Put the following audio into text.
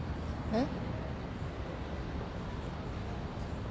えっ？